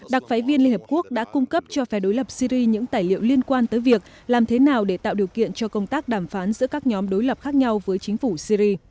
đặc phái viên liên hợp quốc đã cung cấp cho phe đối lập syri những tài liệu liên quan tới việc làm thế nào để tạo điều kiện cho công tác đàm phán giữa các nhóm đối lập khác nhau với chính phủ syri